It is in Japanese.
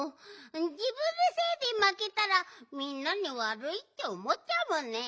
じぶんのせいでまけたらみんなにわるいっておもっちゃうもんね。